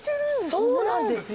そうなんですよ！